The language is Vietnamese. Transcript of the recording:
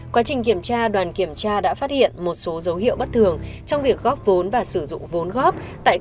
quá trình kiểm tra đoàn kiểm tra đã phát hiện một số dấu hiệu bất thường trong việc góp vốn và sử dụng vốn góp